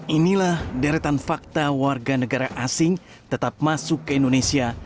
inilah deretan fakta warga negara asing tetap masuk ke indonesia